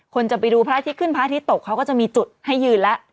จะไปดูพระอาทิตย์ขึ้นพระอาทิตย์ตกเขาก็จะมีจุดให้ยืนแล้ว